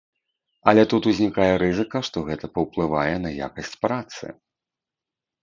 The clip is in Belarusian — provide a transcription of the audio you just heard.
Але тут узнікае рызыка, што гэта паўплывае на якасць працы.